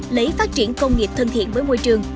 lấy phát triển công nghiệp thân thiện với môi trường